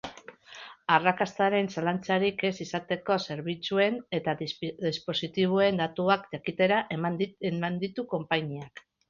Arrakastaren zalantzarik ez izateko zerbitzuen eta dispositiboen datuak jakitera eman ditu konpainiak.